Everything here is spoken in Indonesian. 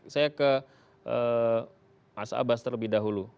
saya ke mas abbas terlebih dahulu